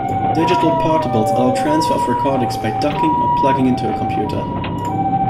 Digital portables allow transfer of recordings by docking or plugging into a computer.